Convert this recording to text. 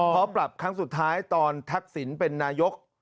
เพราะปรับครั้งสุดท้ายตอนทักษิณเป็นนายก